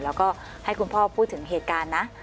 แล้วก็ให้คุณพ่อพูดถึงเหตุการณ์นะ